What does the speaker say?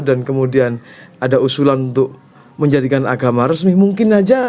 dan kemudian ada usulan untuk menjadikan agama resmi mungkin aja